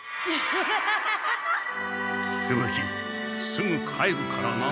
すぐ帰るからな。